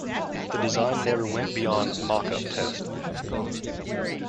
The design never went beyond mock up test.